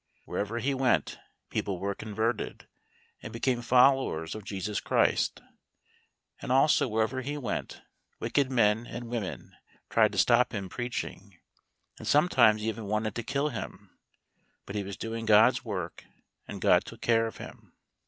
Wherever he went people were converted, and became followers of Jesus Christ; and also wherever he went wicked men and women tried to stop him preaching, and sometimes even wanted to kill him. But he was doing God's work, and God took care of him.